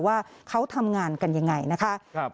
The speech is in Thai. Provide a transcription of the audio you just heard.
ว่าเขาทำงานกันยังไงนะคะ